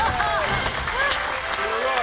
すごい！